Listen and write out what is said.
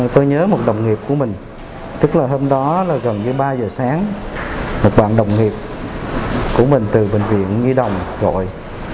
tôi nhớ một đồng nghiệp của mình tức là hôm đó là gần như ba giờ sáng một bạn đồng nghiệp của mình từ bệnh viện nhi đồng gọi